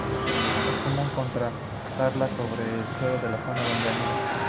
Es común encontrarlas sobre el suelo en las zonas donde anidan.